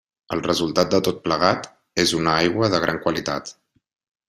El resultat de tot plegat és una aigua de gran qualitat.